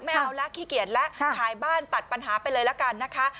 ไม่เอาแล้วขี้เกียจแล้วขายบ้านตัดปัญหาไปเลยละกันนะคะ